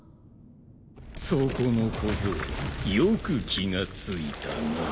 そこの小僧よく気が付いたな。